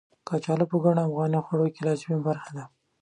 کچالو په ګڼو افغاني خوړو کې لازمي برخه ده.